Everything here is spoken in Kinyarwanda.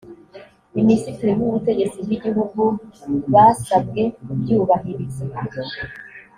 minisitiri w’ubutegetsi bw’igihugu basabwe kubyubahiriza